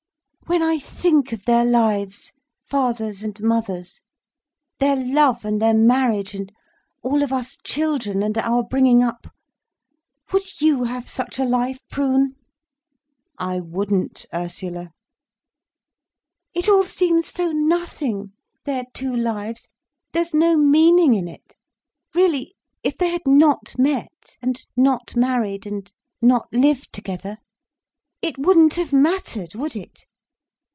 "When I think of their lives—father's and mother's, their love, and their marriage, and all of us children, and our bringing up—would you have such a life, Prune?" "I wouldn't, Ursula." "It all seems so nothing—their two lives—there's no meaning in it. Really, if they had not met, and not married, and not lived together—it wouldn't have mattered, would it?"